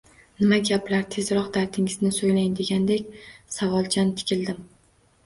-Nima gaplar? – “tezroq dardingizni so’ylang” degandek savolchan tikildim.